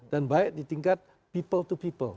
dan baik di tingkat people